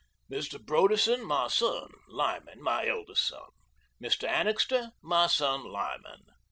"Mr. Broderson, my son, Lyman, my eldest son. Mr. Annixter, my son, Lyman."